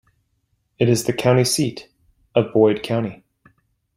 It is the county seat of Boyd County.